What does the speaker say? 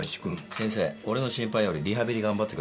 先生俺の心配よりリハビリ頑張ってくださいよ。